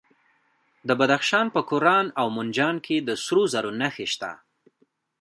د بدخشان په کران او منجان کې د سرو زرو نښې شته.